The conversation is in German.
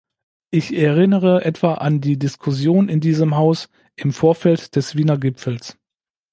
Ich erinnere etwa an die Diskussion in diesem Haus im Vorfeld des Wiener Gipfels.